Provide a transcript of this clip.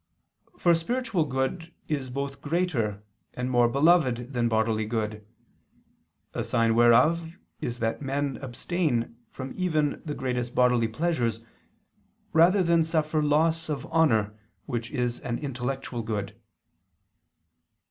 For spiritual good is both greater and more beloved than bodily good: a sign whereof is that men abstain from even the greatest bodily pleasures, rather than suffer loss of honor which is an intellectual good.